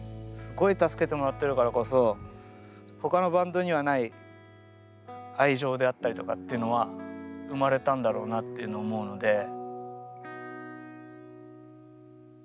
すごい助けてもらってるからこそほかのバンドにはない愛情であったりとかっていうのは生まれたんだろうなっていうのを思うので。